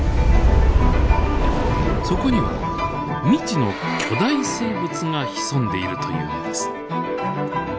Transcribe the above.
そこには未知の巨大生物が潜んでいるというのです。